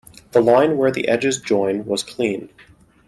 The line where the edges join was clean.